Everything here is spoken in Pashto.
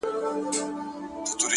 اخلاص د باور بنسټ ټینګوي؛